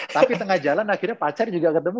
tapi tengah jalan akhirnya pacar juga ketemu